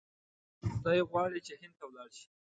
دی غواړي چې هند ته ولاړ شي.